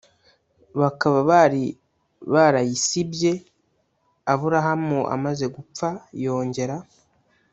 Bakaba bari barayasibye aburahamu amaze gupfa yongera